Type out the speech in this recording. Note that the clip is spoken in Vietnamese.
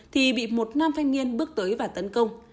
thì bị một nam thanh niên bước tới và tấn công